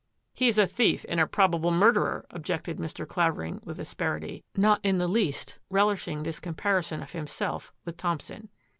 " He is a thief and a probable murderer," objected Mr. Clavering with asperity, not in the least relishing this comparison of himself with Thompson.